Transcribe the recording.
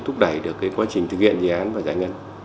thúc đẩy được quá trình thực hiện dự án và giải ngân